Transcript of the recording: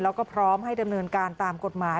แล้วก็พร้อมให้ดำเนินการตามกฎหมาย